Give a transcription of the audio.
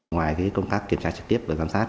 ngoài công tác kiểm tra trực tiếp và giám sát